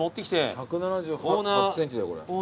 １７８ｃｍだよこれ。